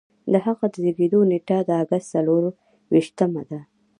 د هغه د زیږیدو نیټه د اګست څلور ویشتمه ده.